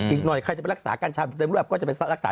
อีกนวยใครจะไปรักษากัณฑาถึงเป็นรักษาที่สกฯนครแล้ว